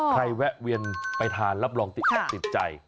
ใครแวะเวียนไปทานรับรองติดใจ